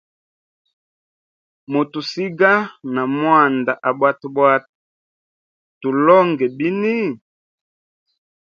Motusiga na mwanda abwatabwata, tulongwe bini?